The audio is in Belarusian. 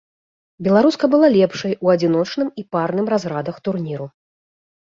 Беларуска была лепшай у адзіночным і парным разрадах турніру.